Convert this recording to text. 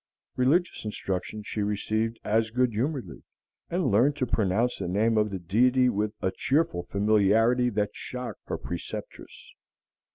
Religious instruction she received as good humoredly, and learned to pronounce the name of the Deity with a cheerful familiarity that shocked her preceptress.